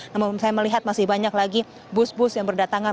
namun saya melihat masih banyak lagi bus bus yang berdatangan